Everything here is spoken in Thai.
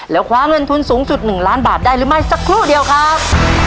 แล้วคว้าเงินทุนสูงสุด๑ล้านบาทได้หรือไม่สักครู่เดียวครับ